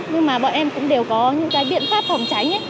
nhưng mà bọn em cũng đều có những cái biện pháp phòng cháy